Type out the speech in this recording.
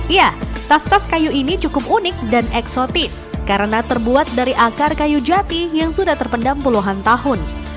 ya tas tas kayu ini cukup unik dan eksotis karena terbuat dari akar kayu jati yang sudah terpendam puluhan tahun